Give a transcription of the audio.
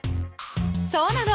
そうなの。